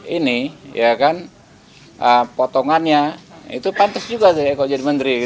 ini ya kan potongannya itu pantas juga saya kok jadi menteri